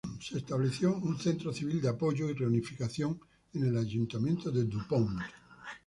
Se estableció un centro civil de apoyo y reunificación en el Ayuntamiento de DuPont.